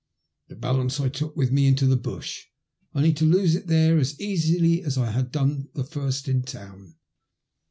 The balance I took with me into the bush, only to lose it there as easily as I had done the first in town.